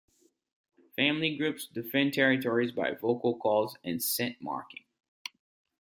Family groups defend territories by vocal calls and scent marking.